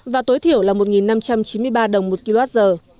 và tối thiểu là một năm trăm chín mươi ba đồng một kwh